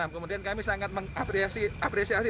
kemudian kami sangat mengapresiasi